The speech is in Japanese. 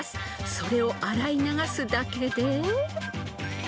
［それを洗い流すだけで］